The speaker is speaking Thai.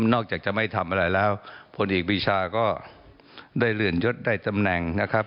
นอกจากจะไม่ทำอะไรแล้วพลเอกปีชาก็ได้เลื่อนยศได้ตำแหน่งนะครับ